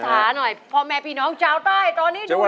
ส่งภาษาหน่อยพ่อแม่พี่น้องเจ้าใต้ตอนนี้ดูดูว่า